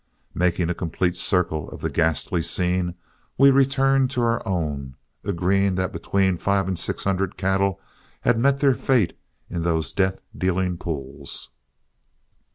Making a complete circle of the ghastly scene, we returned to our own, agreeing that between five and six hundred cattle had met their fate in those death dealing pools.